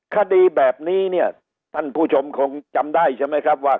คดีแบบนี้เนี่ยท่านผู้ชมคงจำได้ใช่ไหมครับว่า